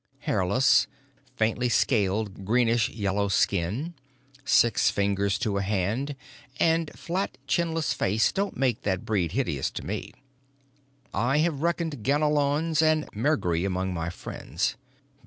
Hairless, faintly scaled greenish yellow skin, six fingers to a hand, and flat chinless face don't make that breed hideous to me; I have reckoned Ganolons and Mergri among my friends.